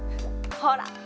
ほら！